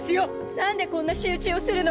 なんでこんな仕打ちをするの？